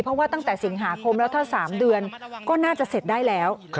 เพราะว่าตั้งแต่สิงหาคมแล้วถ้า๓เดือนก็น่าจะเสร็จได้แล้ว